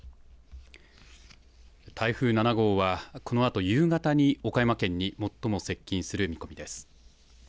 台風７号はこのあと夕方に岡山県に最も接近する見込みです。